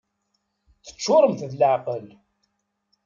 Teččuremt d leεqel!